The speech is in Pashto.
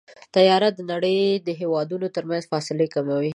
طیاره د نړۍ د هېوادونو ترمنځ فاصلې کموي.